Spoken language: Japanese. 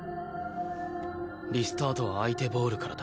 リスタートは相手ボールからだ。